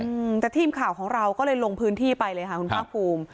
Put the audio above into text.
อืมแต่ทีมข่าวของเราก็เลยลงพื้นที่ไปเลยค่ะคุณภาคภูมิ